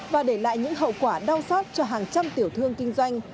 và để lại những hậu quả đau xót cho hàng trăm tiểu thương kinh doanh